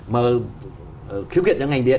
mà khiếu kiện những ngành điện